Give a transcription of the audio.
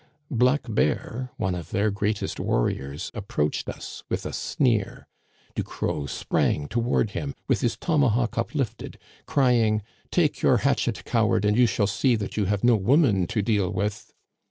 Black Bear, one of their greatest warriors, approached us with a sneer. Ducros sprang toward him with his tomahawk uplifted, crying :* Take your hatchet, coward, and you shall see that you have no woman to deal with